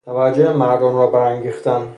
توجه مردم را برانگیختن